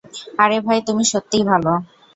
আরে ভাই, তুমি সত্যিই ভাল!